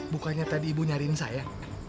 bukannya tadi ibu nyariin saya